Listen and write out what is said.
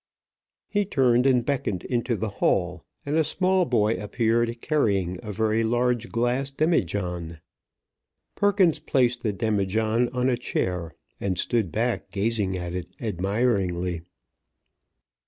He turned and beckoned into the hall, and a small boy appeared carrying a very large glass demijohn. Perkins placed the demijohn on a chair, and stood back gazing at it admiringly.